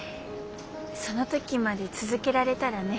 その時まで続けられたらね。